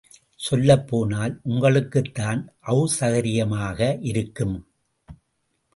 சொல்லப் போனால் உங்களுக்குத்தான் அசெளகரியமாக இருக்கும் என்றார்.